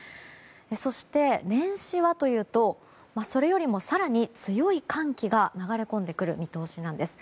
そして、年始はというとそれよりも更に強い寒気が流れ込んでくる見通しなんです。